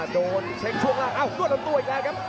โดนเช็คช่วงล่างอ้าวนวดลำตัวอีกแล้วครับ